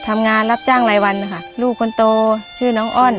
เมื่อ